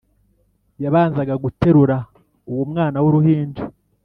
yabanzaga guterura uwo mwana w’uruhinja